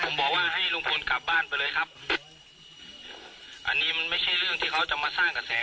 ไม่ได้เรื่องที่เขาจะมาหาคอนเทนต์